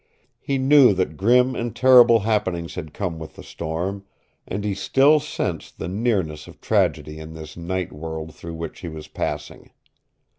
He knew that grim and terrible happenings had come with the storm, and he still sensed the nearness of tragedy in this night world through which he was passing.